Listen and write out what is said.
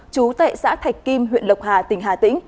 chú tại xã thạch kim huyện lộc hà tỉnh hà tĩnh